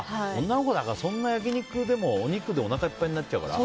女の子だからそんな焼き肉でもお肉でおなかいっぱいになっちゃうから？